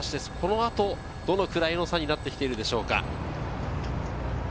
このあと、どのくらいの差になってきているでしょうか。